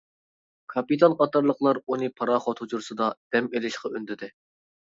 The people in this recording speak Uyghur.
كاپىتان قاتارلىقلار ئۇنى پاراخوت ھۇجرىسىدا دەم ئېلىشقا ئۈندىدى.